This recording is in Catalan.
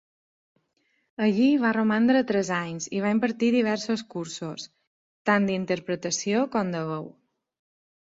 Allí va romandre tres anys i va impartir diversos cursos, tant d'interpretació com de veu.